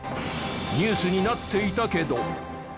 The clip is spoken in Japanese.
ニュースになっていたけど。